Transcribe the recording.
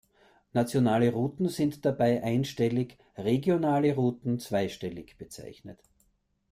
Nationale Routen sind dabei einstellig, regionale Routen zweistellig bezeichnet.